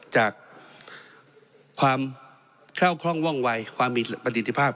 จากความแคล่วคล่องว่องวัยความมีประสิทธิภาพ